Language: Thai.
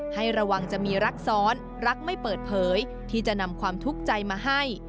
ให้ระวังจะมีรักซ้อนรักไม่เปิดเผยที่จะนำความทุกข์ใจมาให้